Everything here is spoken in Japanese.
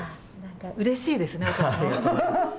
うれしいですね、私も。